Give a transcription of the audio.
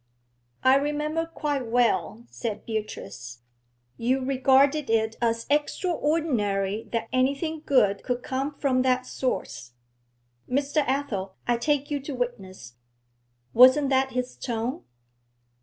'I remember quite well,' said Beatrice; 'you regarded it as extraordinary that anything good could come from that source, Mr. Athel, I take you to witness, wasn't that his tone?'